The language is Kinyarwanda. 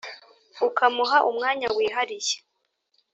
ukamuha umwanya wihariye